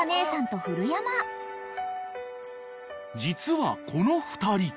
［実はこの２人］